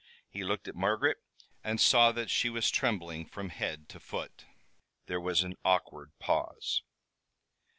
He looked at Margaret and saw that she was trembling from head to foot. There was an awkward pause.